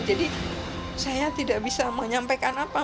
jadi saya tidak bisa menyampaikan apa